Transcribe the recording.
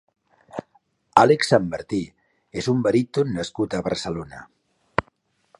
Àlex Sanmartí és un baríton nascut a Barcelona.